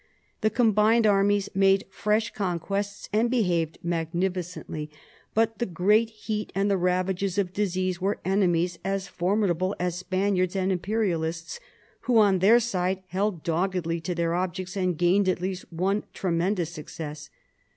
The combined armies made fresh conquests and behaved magnificently; but the great heat and the ravages of disease were enemies as formidable as Spaniards and Imperialists, who on their side held doggedly to their objects and gained at least one tremendous success.